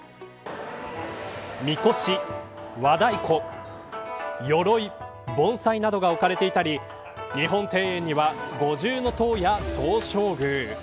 みこし、和太鼓鎧、盆栽などが置かれていたり日本庭園には五重塔や東照宮。